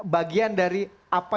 bagian dari apa